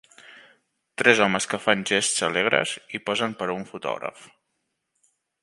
Tres homes que fan gests alegres i posen per a un fotògraf.